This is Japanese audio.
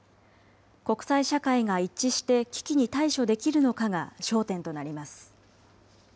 国際社会が一致して危機に対処できるのかが焦点となります。